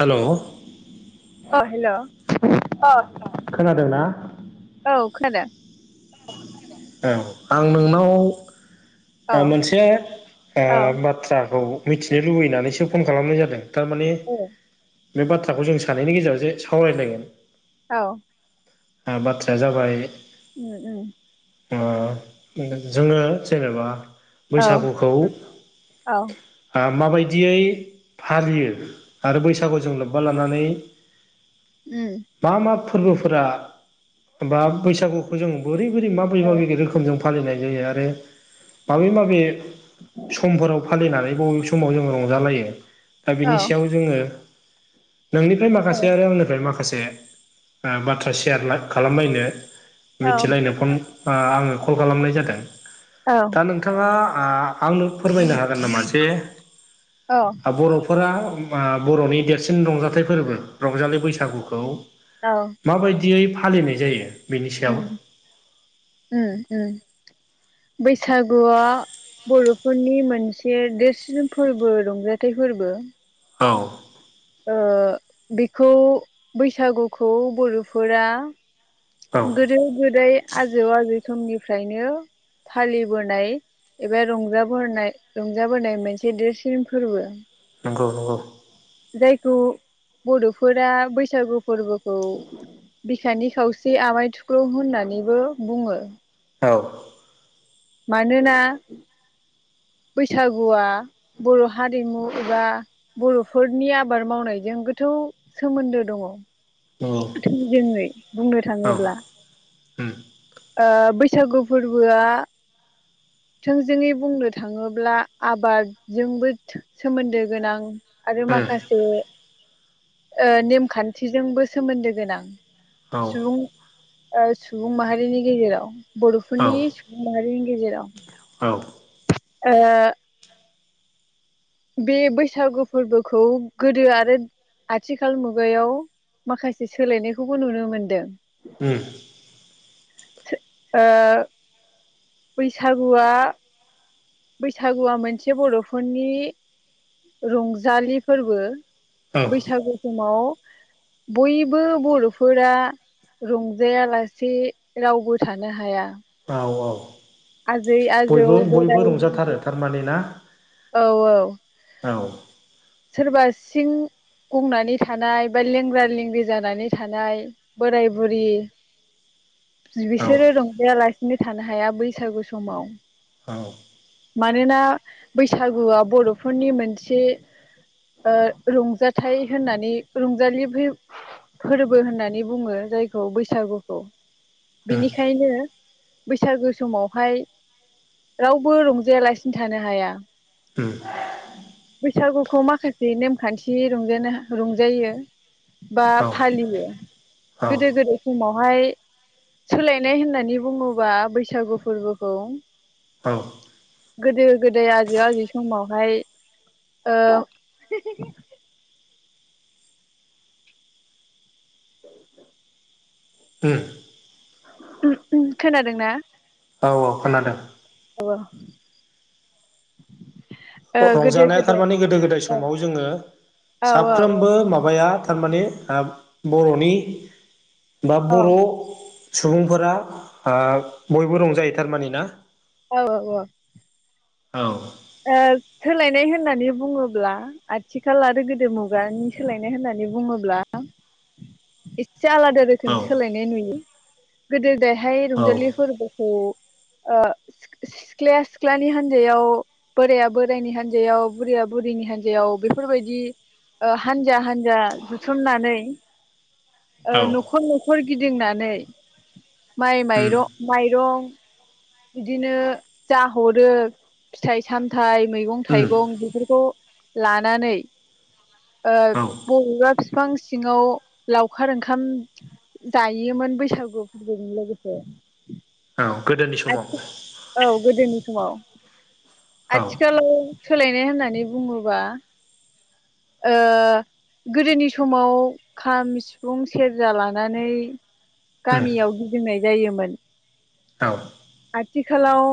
हेल? अ हेल ओ‌ खोनादों ना? औ खोनादों? औ आं नोंनाव औ मोनसे आ औ बाथ्राखौ मिथिनो लुबैनानैसो फन खालामनाय जादों? थारमानि औ बे बाथ्राखौ जों सानैनि गेजेराव जे सावरायलायगोन। औ। बाथ्राया जाबाय उम उम। ओ जोङो जेनेबा औ बैसागुखौ औ आ माबायदियै फालियो आरो बैसागुजों लोब्बा लानानै [inaudible] उम मा मा फोरबोफोरा बा बैसागुखौ जों बोरै बोरै माबोरै औ माबोरै? रोखोमजों फालिनाय जायो आरो माबे माबे समफोराव फालिनानै बबे समाव जों रंजालायो दा औ बिनि सायाव जोङो नोंनिफ्राय औ माखासे आरो आंनिफ्राय माखासे बाथ्रा सेयार खालामलायनो मिथिलायनो फन ओ आङो कल खालामनाय जादों। औ दा नोंथाङा आ आंनो फोरमायनो हागोन नामा जे? औ। बरफोरा आ बरनि देरसिन रंजाथाइ फोरबो रंजालि बैसागुखौ औ। माबायदियै फालिनाय जायो। बेनि सायाव उम उम उम बैसागुआ बरफोरनि मोनसे देरसिन फोरबो रंजाथाइ फोरबो। औ ओ बेखौ बैसागुखौ बरफोरा औ गोदो गोदाय आजौ आजै समनिफ्रायनो फालिबोनाय एबा रंजाबोनाय रंजाबोनाय मोनसे देरसिन फोरबो। नंगौ नंगौ। जायखौ बडफोरा बैसागु फोरबोखौ बिखानि खावसे आमाय थुखुल होननानैबो बुङो। औ। मानोना बैसागुआ बर' हारिमु एबा बर'फोरनि आबाद मावनायजों गोथौ सोमोन्दो दंङ। नंगौ थोंजोंङै बुंनो औ थांङोब्ला उम ओ बैसागु फोरबोआ थोंजोंङै बुंनो थांङोब्ला आबादजोंबो थो सोमोन्दो गोनां आरो उम माखासे नेमखान्थिजोंबो सोमोन्दो गोनां औ सुबुं। सुबुं माहारिनि गेजेराव बर'फोरनि औ सुबुं माहारिनि गेजेराव औ आ बे बैसागु फोरबोखौ गोदो आरो। आथिखाल मुगायाव माखासे सोलायनायखौबो नुनो मोनदों। उम ओ बैसागुआ बैसागुआ मोनसे बर'फोरनि रंजालि फोरबो औ बैसागु समाव बयबो बर'फोरा रंजायालासे रावबो थानो हाया। औ औ आजै आजौ बयबो बयबो बोराय रंजाथारो बेन्थ' थारमाने ना? औ औ औ सोरबा सिं गंनानै थानाय बा लेंग्रा लेंग्रि जानानै थानाय। बोराय बुरि औ बिसोरो रंजायालासिनो थानो हाया बैसागु समाव औ मानोना बैसागुआ बर'फोरनि मोनसे रंजाथाइ होननानै रंजालि फोरबो होननानै बुंङो जायखौ बैसागुखौ उम बिनिखायनो बैसागो समावहाय रावबो रं जेलासिनो थानो हाया। उम बैसागुखौ माखासे नेमखान्थि रंजानो रंजायो। बा औ फालियो औ गोदो गोदाय समावहाय। सोलायनाय होननानै बुंङोबा बैसागु फोरबोखौ औ गोदो गोदाय आजै आजै समावहाय औ सै उम औ उम उम खोनादोंना? औ औ खोनादों। [unintelligible] रंजानाया गोदाय थारमाने गोदो गोदाय औ समाव जोंङो औ साफ्रोमबो औ माबाया थारमाने ओ बर'नि बा बर' सुबुंफोरा ओ बयबो रंजायो थारमाने ना? औ औ औ औ ओ सोलायनाय होननानै बुंङोब्ला आथिखाल आरो गोदो मुगानि सोलायनाय होननानै बुंङोब्ला [inaudible] एसे आलादा औ रोखोमबो सोलायनाय नुयो गोदो दायहाय औ रंजालिफोरबो उ ओ सिख सिख्लाया सिख्लानि हान्जायाव बोराया बोरायनि हान्जायाव बुरैया बुरिनि हान्जायाव बेफोरबायदि ओ हानजा हानजा जुथुमनानै ओ औ न'खर न'खर गिदिंनानै माइ उम माइरं माइरं बिदिनो जाहरो फिथाइ सामथाइ मैगं उम थाइगं बेफोरखौ लानानै ओ औ बबेबा बिफां सिङाव लावखार ओंखाम जायोमोन बैसागु फोरबोजों लोगोसे औ गोदोनि समाव आथि औ गोदोनि समाव औ आथिखालाव सोलायनाय होननानै बुङोबा ओ गोदोनि समाव खाम सिफुं सेरजा लानानै उम गामियाव गिदिंनाय जायोमोन। औ आथिखालाव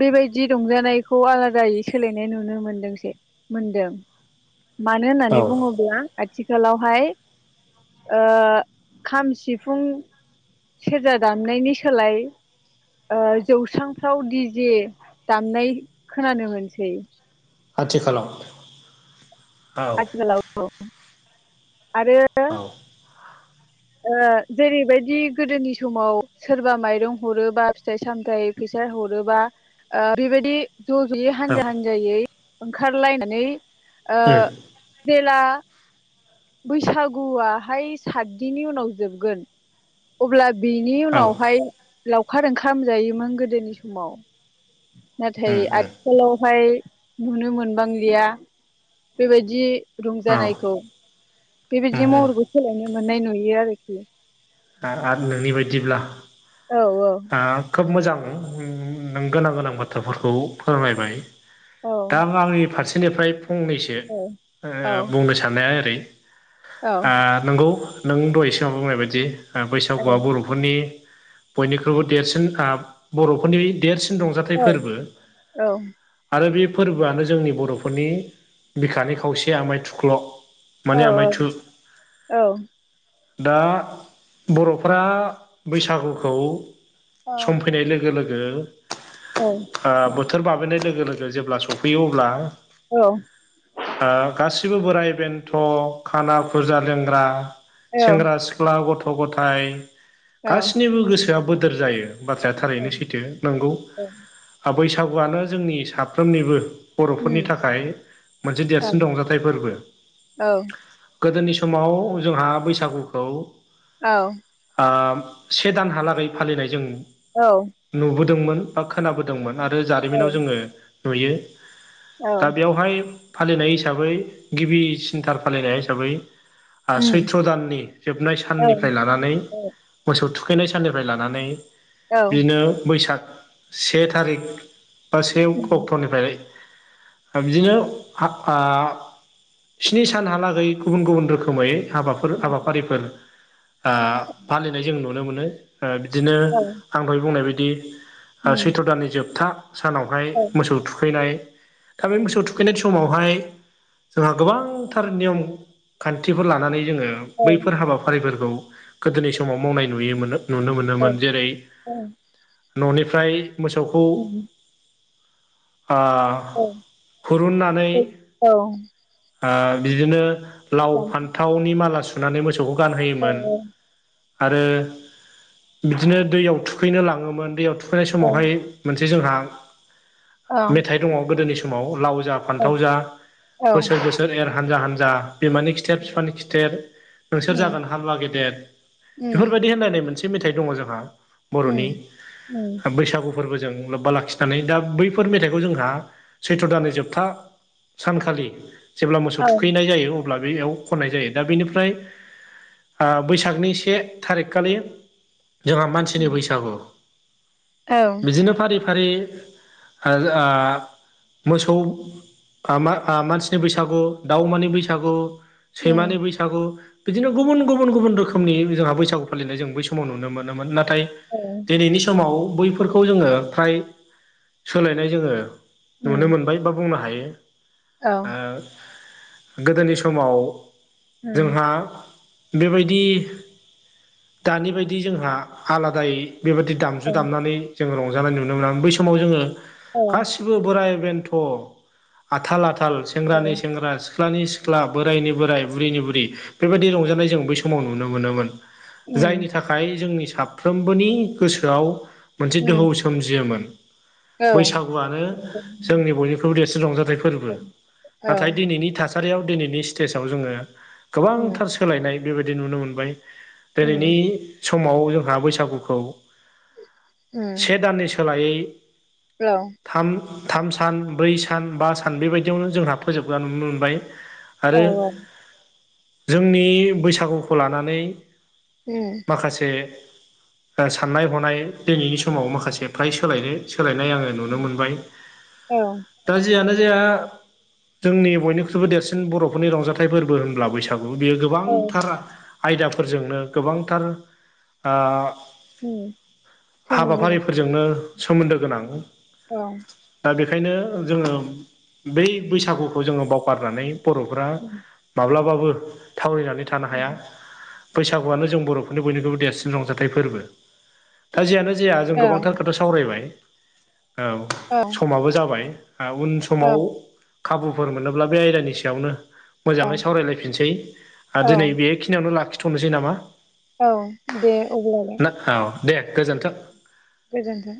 बेबायदि रंजानायखौ आलादायै सोलायनाय नुनो मोनदोंसो मोनदों मानो औ होननानै बुङोब्ला आथिखालावहाय ओ खाम सिफुं सेरजा दामनायनि सोलाय ओ जौस्रांफ्राव दिजे दामनाय खोनानो मोनसै आथिखालाव औ आथिखालाव औ आरो औ ओ जेरैबायदि गोदोनि समाव सोरबा माइरं हरोबा फिथाइ सामथायाइ फैसा हरोबा ओ बेबायदि ज' ज'यै औ हानजा हान्जायै ओंखारलायनानै ओ उम जेला बैसागुआहाय सातदिननि उनाव जोबगोन अब्ला बिनि औ उम उनावहाय लावखार ओंखामजायोमोन गोदोनि समाव नाथाय उम आथिखालावहाय नुनो मोनबांलिया बेबायदि औ उम रंजानायखौ बेबायदि उम महरखौ सोलायनो मोननाय नुयो आरोखि आ आरो नोंनि बायदिब्ला औ औ ओ खोब मोजां नों गोनां गोनां बाथ्राफोरखौ फोरमायबाय औ दा आंनि फारसेनिफ्राय फंनैसो ओ औ बुंनो सान्नाया ओरै औ आ नंगौ नों दह'य सिगाव बुंनाय बायदि औ बैसागुआ बर' फोरनि बयनिख्रुइबो देरसिन ओ बर'फोरनि देरसिन रंजा थाय औ फोरबो औ आरो बे फोरबोआनो जोंनि बर'फोरनि बिखानि खावसे आमाय थुख्ल' माने आमायथु औ दा बर'फोरा बैसागुखौ सम फैनाय लोगो लोगो औ आ बोथोर बाबेनाय लोगो लोगो जेब्ला सफैयो अब्ला औ ओ गासिबो बोराइ बेन्थ' खाना फुजा लेंग्रा सेंग्रा सिख्ला गथ' गथाय गासिनिबो गोसोआ बोदोर जायो। बाथ्राया थारैनो सैथो नोंगौ बैसागुआनो जोंनि साफ्रोमनिबो बर'फोरनि थाखाय मोनसे देरसिन रंजाथाइ फोरबो। गोदोनि समाव जोंहा बैसागुखौ औ ओ से दानहालागै फालिनाय जों औ नुबोदोंमोन बा खोनाबोदोंमोन आरो जारिमिनाव जोङो नुयो औ दा बेवहाय फालिनाय हिसाबै गिबि सिन्थार फालिनाय हिसाबै सैथ्र' दाननि जोबनाय औ साननिफ्राय ला लानानै औ मोसौ थुखैनाय साननिफ्राय लानानै औ बिदिनो बैसाग से थारिख बा से उम अक्ट'निफ्राय बिदिनो ओ स्नि सानहालागै गुबुन गुबुन रोखोमै हाबाफोर हाबाफारिफोर ओ फालिनाय जों नुनो मोनो ओ बिदिनो औ आं दहाय बुंनाय बदि उम सैथ्र' दाननि जोबथा सानावहाय औ मोसौ थुखैनाय दा बे मोसौ थुखैनाय समावहाय जोंहा गोबांथार नियम खान्थिफोर लानानै जोङो औ बैफोर हाबा हाफारिफोरखौ गोदोनि समाव मावनाय नु नुनो औ मोनोमोन जेरै औ न'निफ्राय मोसौखौ उम औ खुरुननानै औ बिदिनो लाव जामफै फान्थावनि माला सुनानै मोसौखौ औ बिनो दैयाव थुखैनो ला दैु सफैनाय औ समावहाय मोनसे जोंहा औ मेथाइ दङ गोदोनि समाव लाव जा औ फान्थाव जा औ बोसोर बोसोर सोर एर हानजा हानजा बिमानि खिथेर बिफानि खिथेर सोर उम जागोन हामवा गेदेर उम बेफोरबायदि होनलनायनाय मोनसे मेथाइ दङ जोंहा उम बर'नि उम बैसागु फोरबोजों लोब्बा लाखिनानै दा बैफोर मेथाइखौ जोंहा सैथ्र' दाननि जोबथा सानखालि जेब्ला मोसौ औ थुखैनाय जायो अब्ला बेयाव खननाय जायो दा बेनिफ्राय बैसागनि से थारिख खालि जोंहा मानसिनि उम बैसागु औ बिदिनो फारि फारि मोसौ म मानसिनि बैसागु दाउमानि बैसागु उम औ सैमानि बैसागु बिदिनो गुबुन गुबुन गुबुन रोखोमनि जोंहा बैसागु फालिनाय जों बै समाव नुनो मोनोमोन नाथाय नाथाय उम औ दिनैनि समाव बैफोरखौ जोङो फ्राय सोलायनाय जोङो नुनो उम मोनबाय बा बुंनो हायो औ गोदोनि समाव उम जोंहा बेबायदि दानि बायदि जोंहा आलादायै बेबायाददि दामजु दामनानै जोङो रंजानाय नुनो मोनो बै समाव जोङो गासैबो गसिबो बोराय बेन्थ' आथाल आथाल सेंग्रानि सेंग्रा सिख्लानि सिख सिख्ला बोरायनि बोराय बुरैनि बुरै बेबायदि रंजानाय जों बै समाव नुनो मोनोमोन उम जायनि थाखाय जोंनि साफ्रोमबोनि गोसोआव मोनसे दोहौ औ सोमजियोमोन औ बैसागुआनो उम उम जोंनि बयनि बेखौ देरसिन रंजाथाइ उम फोरबो औ औ नाथाय दिनैनि थासारियाव दिनैनि स्टेजाव जोङो उम गोबांथार सोलायनाय बेबायदि नुनो मोनबाय दिनैनि समाव जोंहा बैसागुखौ से दाननि सोलायै औ थाम थाम सान ब्रै सान बा सान बेबायदियावनो जोंहा फोजोबग्रा नुनो मोनबाय आरो जोंनि बैसागुखौ लानानै उम माखासे साननाय हनाय दिनैनि समाव माखासे फ्राय सोलायनो सोलायनाय आङो नुनो मोनबाय औ औ दा जियानो जाया जोंनि बयनिख्रुइबो देरसिन बर'फोरनि रंजाथाइ फोरबो होनब्ला बैसागु बियो गोबांथार आयदाफोरजोंनो गोबांथार उम सोमोन्दो दं। हाबाफारिफोरजोंनो सोमोन्दो गोनां अ दा बेखायनो जोङो बै बैसागुखौ जोङो बावगारनानै बर'फोरा माब्लाबाबो थावरिनानै थानो हाया। बैसागुआनो जों बर'फोरनि बयनिख्रुइबो देरसिन रंजाथाइ फोरबो। दा जेयानो जाया जों औ गोबांथार खोथा सावरायबाय औ समाबो जाबाय। ओ उन समाव औ खाबुफोर मोनोब्ला बे आयदानि सायावनो मोजाङै सावरायलायफिनसै ओ औ दिनै बेखिनियावनो लाखिथ'नोसै नामा। औ दे अब्लालाय। [unintelligible] औ दे गोजोन्थों। गोजोन्थों।